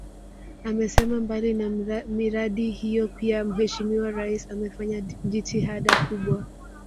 Amesema mbali na miradi hiyo pia Mheshimiwa Rais amefanya jitihada kubwa